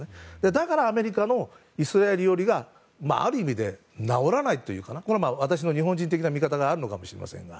だからアメリカのイスラエル寄りがある意味で直らないというか私の日本人的な見方があるのかもしれませんが。